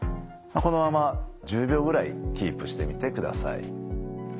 このまま１０秒ぐらいキープしてみてください。